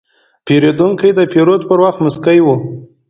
پیرودونکی د پیرود پر وخت موسکی و.